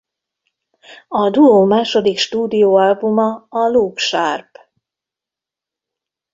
A duó második stúdióalbuma a Look Sharp!